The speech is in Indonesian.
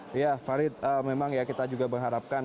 iya farid memang ya kita juga mengharapkan